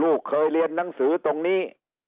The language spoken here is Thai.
ลูกเคยเรียนหนังสือตรงนี้